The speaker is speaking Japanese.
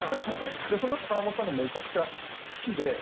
それを澤本さんがめちゃくちゃ好きで。